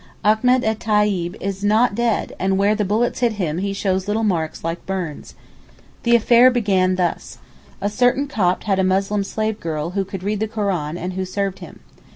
Achmet et Tayib is not dead and where the bullets hit him he shows little marks like burns. The affair began thus: A certain Copt had a Muslim slave girl who could read the Koran and who served him.